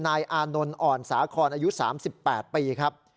อานนท์อ่อนสาคอนอายุ๓๘ปีครับ